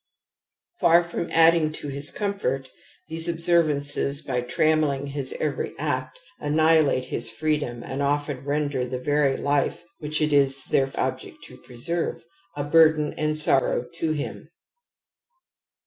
Far I 76 TOTEM AND TABOO from adding to his comfort, these observances, by trammelling his every act, annihilate his free dom and often render the very Ufe, which it is their object to preserve, a burden and sorrow to him."